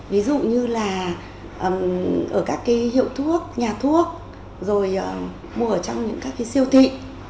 ví dụ như là ở các cái hiệu thuốc nhà thuốc rồi mua ở trong những các cái siêu thị